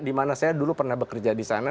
dimana saya dulu pernah bekerja di sana